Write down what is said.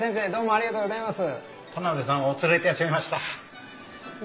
ありがとうございます。